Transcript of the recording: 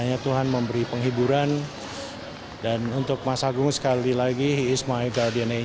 kiranya tuhan memberi penghiburan dan untuk mas agung sekali lagi dia adalah anggota anggota saya